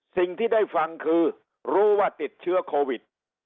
สิ่งที่ได้ฟังคือรู้ว่าติดเชื้อโควิด